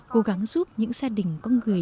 cố gắng giúp những gia đình có người